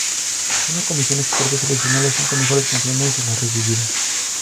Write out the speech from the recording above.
Una comisión experta seleccionó las cinco mejores canciones de las recibidas.